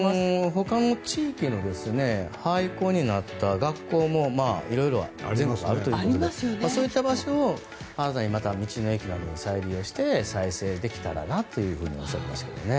他の地域の廃校になった学校もいろいろ全国あるということでそういった場所を新たに道の駅などで再利用して再生できたらなとおっしゃっていましたけどね。